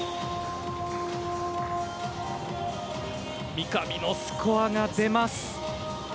三上のスコアが出ます。